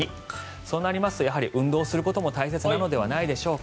そうなりますと運動することも大切ではないでしょうか。